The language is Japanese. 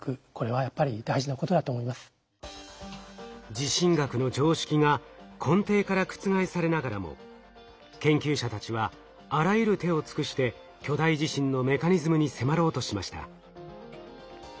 地震学の常識が根底から覆されながらも研究者たちはあらゆる手を尽くして巨大地震のメカニズムに迫ろうとしました。